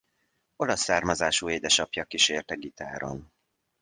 Olasz származású édesapja kísérte gitáron.